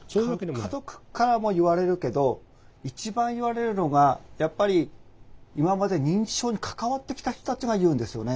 家族からも言われるけど一番言われるのがやっぱり今まで認知症に関わってきた人たちが言うんですよね。